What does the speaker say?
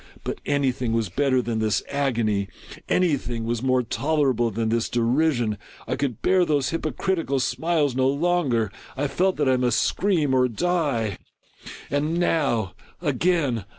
But any thing was better than this agony ! Any thing was more tolera ble than this derision ! I could bear those hypocritical smiles no longer ! I felt that I must scream or die !— and now — again